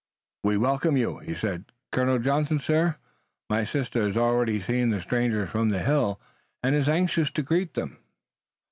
"We welcome you," he said. "Colonel Johnson, sir, my sister has already seen the strangers from the hill, and is anxious to greet them."